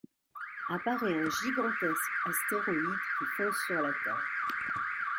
Apparaît un gigantesque astéroïde qui fonce sur la Terre.